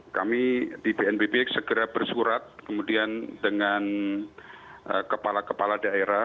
kami di bnpb segera bersurat kemudian dengan kepala kepala daerah